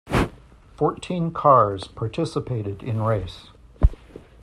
Fourteen cars participated in race.